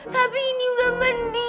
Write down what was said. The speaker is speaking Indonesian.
tapi ini udah mandi